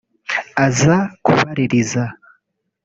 aza kubaririza